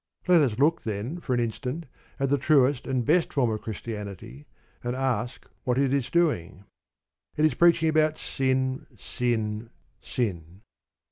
Let us look, then, for an instant, at the truest and best form of Christianity, and ask what it is doing. It is preaching about Sin, Sin, Sin.